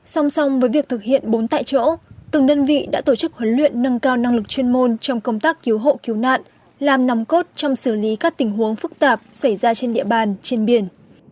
song song với việc thực hiện bốn tại chỗ từng đơn vị đã tổ chức huấn luyện nâng cao năng lực chuyên môn trong công tác cứu hộ cứu nạn làm nòng cốt trong xử lý các tình huống phức tạp xảy ra trên địa bàn trên biển